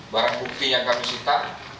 barang bukti yang kami sita